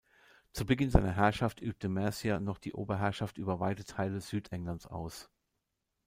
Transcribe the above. Zu Beginn seiner Herrschaft übte Mercia noch die Oberherrschaft über weite Teile Südenglands aus.